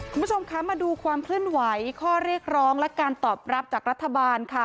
คุณผู้ชมคะมาดูความเคลื่อนไหวข้อเรียกร้องและการตอบรับจากรัฐบาลค่ะ